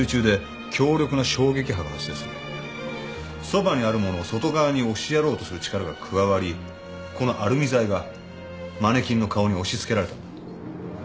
そばにあるものを外側に押しやろうとする力が加わりこのアルミ材がマネキンの顔に押しつけられたんだ。